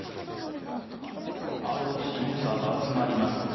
ＲＯＣメンバーが集まります。